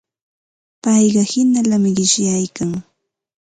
Payqa hinallami qishyaykan.